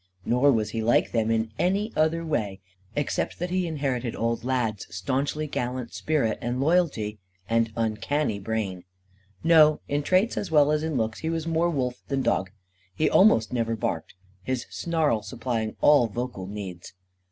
Nor was he like them in any other way, except that he inherited old Lad's staunchly gallant spirit and loyalty, and uncanny brain. No, in traits as well as in looks, he was more wolf than dog. He almost never barked, his snarl supplying all vocal needs.